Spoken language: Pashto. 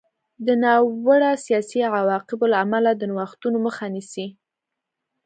د ناوړه سیاسي عواقبو له امله د نوښتونو مخه نیسي.